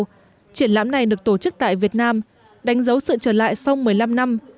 các tác phẩm này được tổ chức tại việt nam đánh dấu sự trở lại sau một mươi năm năm